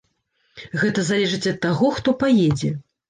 Гэта залежыць ад таго, хто паедзе.